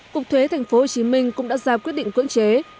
cục thuế tp hcm cũng đã ra quyết định cưỡng chế